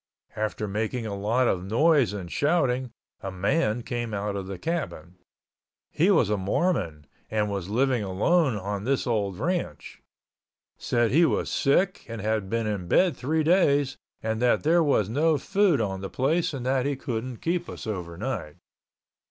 After making a lot of noise and shouting, a man came out of the cabin. He was a Mormon and was living alone on this old ranch. Said he was sick and had been in bed three days and that there was no food on the place and that he couldn't keep us overnight.